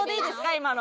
今の。